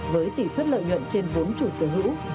với tỷ suất lợi nhuận trên vốn chủ sở hữu